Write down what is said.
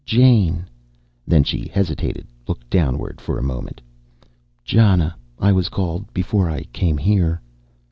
"Jane." Then she hesitated, looked downward for a moment. "Jana, I was called before I came here."